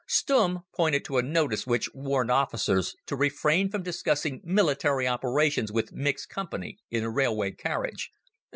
Stumm pointed to a notice which warned officers to refrain from discussing military operations with mixed company in a railway carriage.